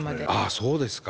あそうですか。